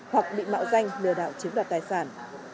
hoặc bị mạo danh lừa đảo chiếm đoạt tài sản